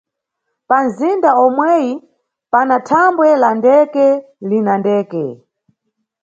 Panʼzinda omweyi pana thambwe la ndeke lina ndeke.